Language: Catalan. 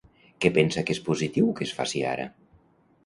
Què pensa que és positiu que es faci ara?